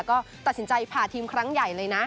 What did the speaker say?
ก็ตัดสินใจผ่าทีมครั้งใหญ่เลยนะ